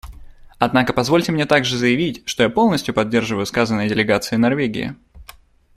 Однако позвольте мне также заявить, что я полностью поддерживаю сказанное делегацией Норвегии.